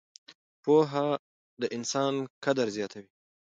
پوهه د انسان قدر زیاتوي.